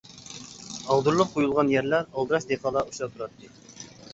ئاغدۇرۇلۇپ قويۇلغان يەرلەر، ئالدىراش دېھقانلار ئۇچراپ تۇراتتى.